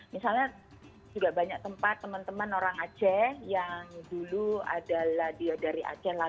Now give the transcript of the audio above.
misalnya juga banyak tempat teman teman orang aceh yang dulu adalah dia dari aceh